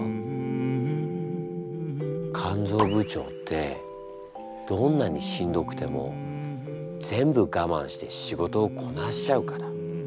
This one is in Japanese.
肝ぞう部長ってどんなにしんどくても全部我慢して仕事をこなしちゃうから。